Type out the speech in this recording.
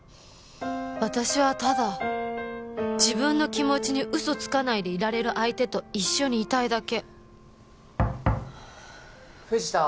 私はただ自分の気持ちに嘘つかないでいられる相手と一緒にいたいだけ藤田？